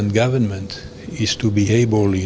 untuk dapatkan beberapa bulan lagi